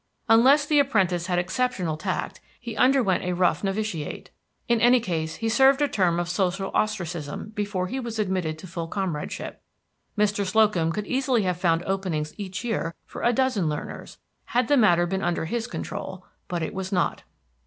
Unless the apprentice had exceptional tact, he underwent a rough novitiate. In any case he served a term of social ostracism before he was admitted to full comradeship. Mr. Slocum could easily have found openings each year for a dozen learners, had the matter been under his control; but it was not.